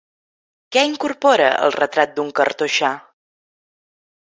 Què incorpora el Retrat d'un cartoixà?